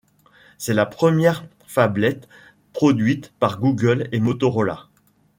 C'est la première phablette produite par Google et Motorola.